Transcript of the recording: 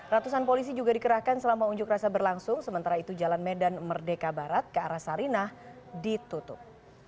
ratusan polisi juga dikerahkan selama unjuk rasa berlangsung sementara itu jalan medan merdeka barat ke arah sarinah ditutup